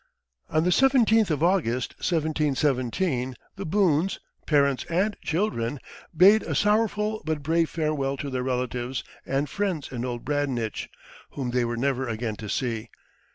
On the seventeenth of August, 1717, the Boones, parents and children, bade a sorrowful but brave farewell to their relatives and friends in old Bradninch, whom they were never again to see.